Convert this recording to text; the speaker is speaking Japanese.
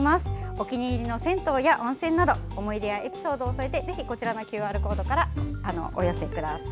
お気に入りの銭湯や温泉など思い出やエピソードを添えてこちらのＱＲコードからお送りください。